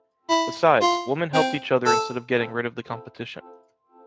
Besides, women helped each other instead of getting rid of the competition.